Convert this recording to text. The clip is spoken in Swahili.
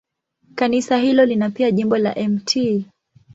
Kanisa hilo lina pia jimbo la Mt.